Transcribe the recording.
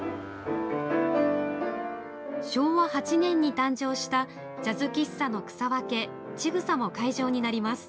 昭和８年に誕生したジャズ喫茶の草分け、ちぐさも会場になります。